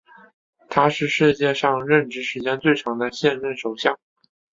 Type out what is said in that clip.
他是世界上任职时间最长的现任首相。